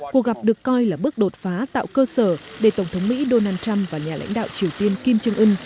cuộc gặp được coi là bước đột phá tạo cơ sở để tổng thống mỹ donald trump và nhà lãnh đạo triều tiên kim trương ưn